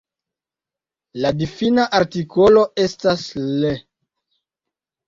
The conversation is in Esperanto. La difina artikolo estas Le.